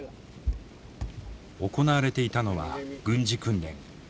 行われていたのは軍事訓練。